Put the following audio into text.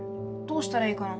どうしたらいいかな？